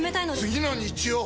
次の日曜！